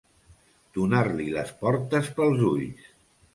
Donar-li les portes pels ulls.